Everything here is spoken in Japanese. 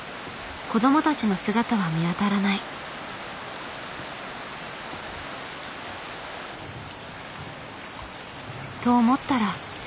子どもたちの姿は見当たらない。と思ったら。